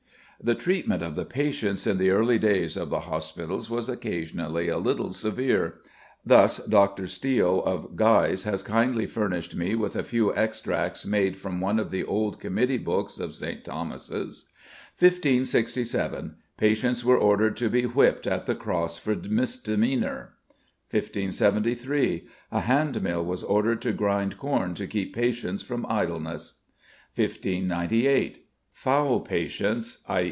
The treatment of the patients in the early days of the hospitals was occasionally a little severe. Thus Dr. Steele of Guy's has kindly furnished me with a few extracts made from one of the old committee books of St. Thomas's: "1567. Patients were ordered to be whipped at the cross for misdemeanour. 1573. A hand mill was ordered to grind corn to keep patients from idleness. 1598. Foul patients (_i.